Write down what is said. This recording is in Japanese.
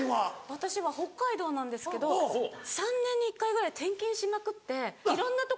私は北海道なんですけど３年に一回ぐらい転勤しまくっていろんなとこに住んだ。